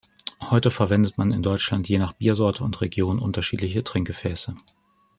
Heute verwendet man in Deutschland je nach Biersorte und Region unterschiedliche Trinkgefäße.